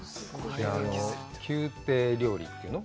宮廷料理というの？